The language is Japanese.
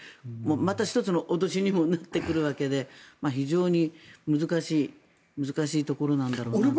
また１つの脅しにもなってくるわけで非常に難しいところなんだろうなと。